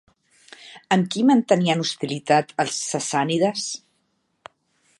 Amb qui mantenien hostilitat els sassànides?